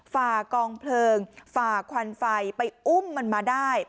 ฝ่ากองเพลิงฝ่าควันไฟไปอุ้มมันมาได้